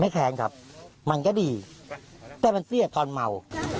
แค้นครับมันก็ดีแต่มันเสียตอนเมา